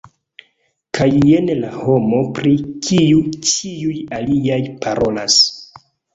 Kaj jen la homo pri kiu ĉiuj aliaj parolas.